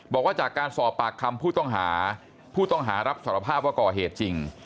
บอกว่าจากการสอบปากคำผู้ต้องหาผู้ต้องหารับสารภาพว่าก่อเหตุจริง